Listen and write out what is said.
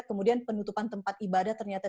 kemudian penutupan tempat ibadah ternyata